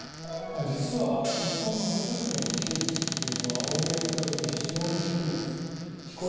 実は日本の補聴器の普及率というのは欧米に比べて非常に低いです。